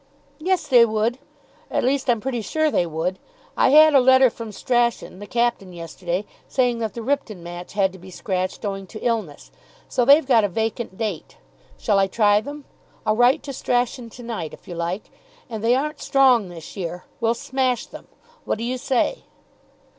"Yes, they would. At least, I'm pretty sure they would. I had a letter from Strachan, the captain, yesterday, saying that the Ripton match had had to be scratched owing to illness. So they've got a vacant date. Shall I try them? I'll write to Strachan to night, if you like. And they aren't strong this year. We'll smash them. What do you say?"